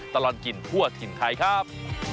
ตลอดกินทั่วถิ่นไทยครับ